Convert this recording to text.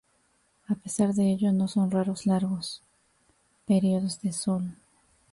A pesar de ello no son raros largos periodos de sol.